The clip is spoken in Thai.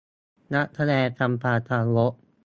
นักแสดงทำความเคารพ !